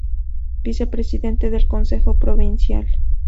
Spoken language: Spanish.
Vicepresidente del Consejo Provincial.